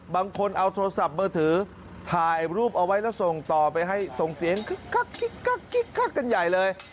บางคนเอาโทรศัพท์มือถือถ่ายรูปเอาไว้แล้วส่งต่อไปให้ส่งเสียงกึ๊กกักกันใหญ่เลย